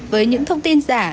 với những thông tin giả